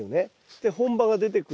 で本葉が出てくる。